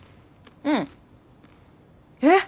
うん。えっ？